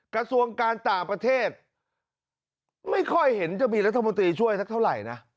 กระทรวงการต่างประเทศไม่ค่อยเห็นจะมีรัฐมนตรีช่วยสักเท่าไหร่นะ